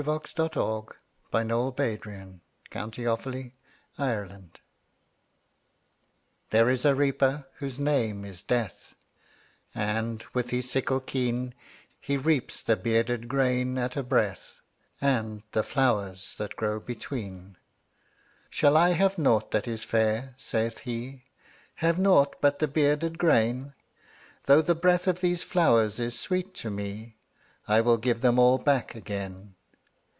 Henry Wadsworth Longfellow The Reaper And The Flowers THERE is a Reaper whose name is Death, And, with his sickle keen, He reaps the bearded grain at a breath, And the flowers that grow between. ``Shall I have nought that is fair?'' saith he; ``Have nought but the bearded grain? Though the breath of these flowers is sweet to me, I will give them all back again.''